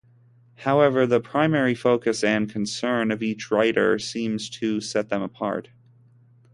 However, the primary focus and concern of each writer seems to set them apart.